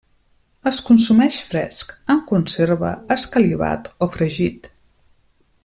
Es consumeix fresc, en conserva, escalivat o fregit.